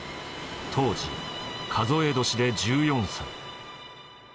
当時数え年で１４歳。